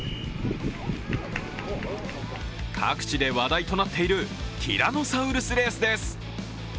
各地で話題となっているティラノサウルスレースです。